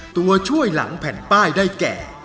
ตัวช่วยหลังแผ่นป้ายได้แก่